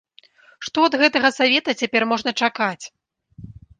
Што ад гэтага савета цяпер можна чакаць?